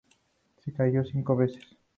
Se casó cinco veces.